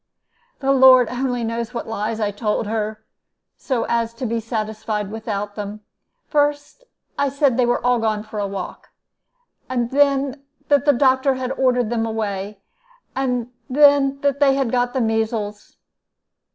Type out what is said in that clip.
The Lord only knows what lies I told her, so as to be satisfied without them. First I said they were all gone for a walk; and then that the doctor had ordered them away; and then that they had got the measles.